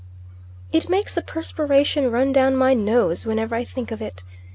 It makes the perspiration run down my nose whenever I think of it.